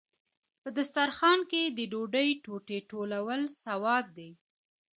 په دسترخان کې د ډوډۍ ټوټې ټولول ثواب دی.